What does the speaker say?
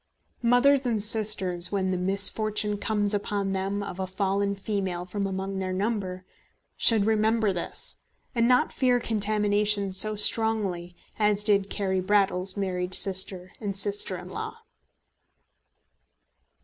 Mothers and sisters, when the misfortune comes upon them of a fallen female from among their number, should remember this, and not fear contamination so strongly as did Carry Brattle's married sister and sister in law.